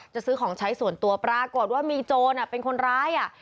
ซื้อของใช้ส่วนตัวปรากฏว่ามีโจรเป็นคนร้าย